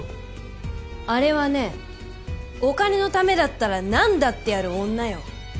あれはねお金のためだったら何だってやる女よ。